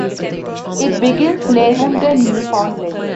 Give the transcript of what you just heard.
It begins near Hampden, Newfoundland.